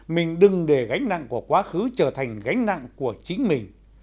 mình đừng để gánh nặng của quá khứ trở thành gánh nặng của chính mình